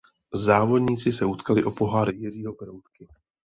Závodníci se utkali o pohár Jiřího Peroutky.